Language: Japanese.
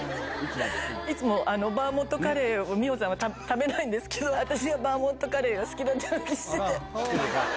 いつもバーモントカレーを、美穂さんは食べないんですけど、私がバーモントカレーが好きだって知ってて。